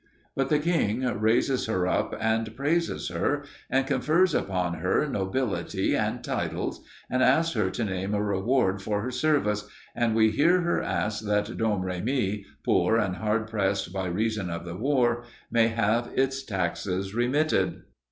But the king raises her up and praises her and confers upon her nobility and titles, and asks her to name a reward for her service, and we hear her ask that Domremy, "poor and hard pressed by reason of the war," may have its taxes remitted.